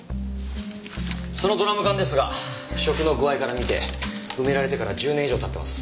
そのドラム缶ですが腐食の具合から見て埋められてから１０年以上経ってます。